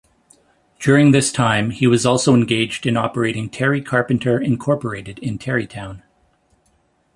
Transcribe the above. During this time, he was also engaged in operating Terry Carpenter, Incorporated in Terrytown.